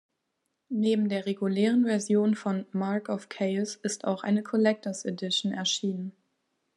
Neben der regulären Version von "Mark of Chaos" ist auch eine "Collector’s Edition" erschienen.